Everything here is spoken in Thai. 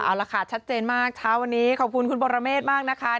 เอาละค่ะชัดเจนมากเช้าวันนี้ขอบคุณคุณปรเมฆมากนะคะ